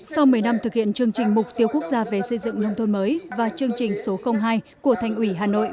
sau một mươi năm thực hiện chương trình mục tiêu quốc gia về xây dựng nông thôn mới và chương trình số hai của thành ủy hà nội